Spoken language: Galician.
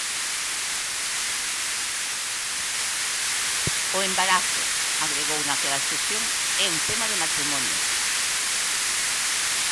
O embarazo, agregou naquela sesión, "é un tema de matrimonio".